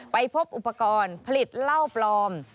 ไปพบอุปกรณ์ผลิตเหล้าปลอม